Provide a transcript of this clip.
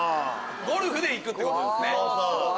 ゴルフで行くってことですね。